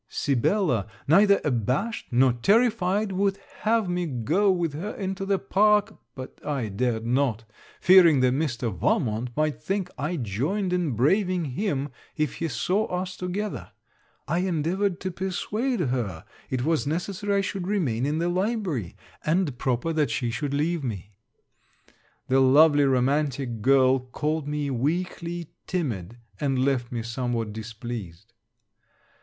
Sibella, neither abashed nor terrified, would have me go with her into the park, but I dared not; fearing that Mr. Valmont might think I joined in braving him if he saw us together. I endeavoured to persuade her it was necessary I should remain in the library, and proper that she should leave me. The lovely romantic girl called me weakly timid, and left me somewhat displeased.